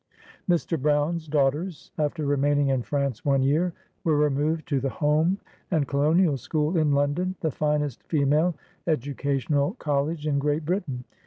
Mr. Brown's daugh ters, after remaining in France one year, were removed to the Home and Colonial School in London, the finest female educational college in Great Britain.